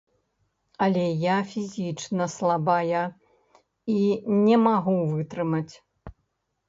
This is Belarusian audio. Але я фізічна слабая і не магу вытрымаць.